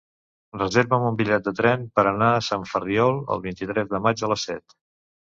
Reserva'm un bitllet de tren per anar a Sant Ferriol el vint-i-tres de maig a les set.